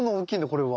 これは。